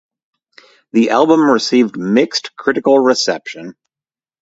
The album received a mixed critical reception.